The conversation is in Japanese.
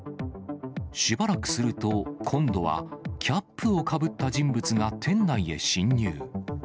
しばらくすると、今度は、キャップをかぶった人物が店内へ侵入。